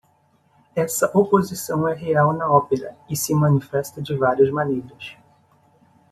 Essa oposição é real na ópera e se manifesta de várias maneiras.